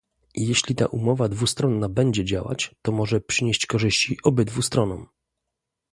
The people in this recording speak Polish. Jeśli ta umowa dwustronna będzie działać, to może przynieść korzyści obydwu stronom